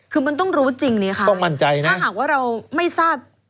คือมันต้องรู้จริงเนี่ยค่ะถ้าหากว่าเราไม่ทราบ